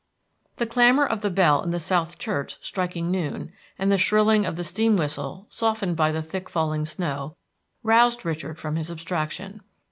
The clamor of the bell in the South Church striking noon, and the shrilling of the steam whistle softened by the thick falling snow, roused Richard from his abstraction.